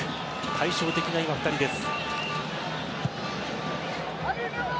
対照的な２人です。